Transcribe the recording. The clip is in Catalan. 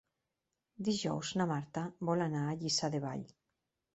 Dijous na Marta vol anar a Lliçà de Vall.